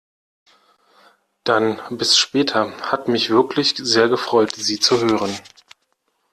Dann bis später. Hat mich wirklich sehr gefreut Sie zu hören!